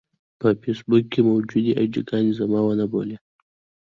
په فېسبوک کې موجودې اې ډي ګانې زما ونه بولي.